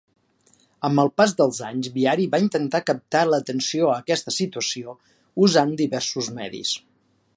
Amb el pas dels anys, Bihari va intentar captar l"atenció a aquesta situació usant diversos medis.